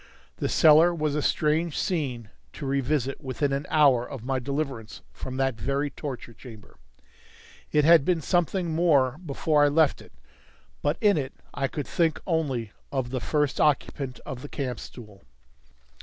The cellar was a strange scene to revisit within an hour of my deliverance from that very torture chamber. It had been something more before I left it, but in it I could think only of the first occupant of the camp stool.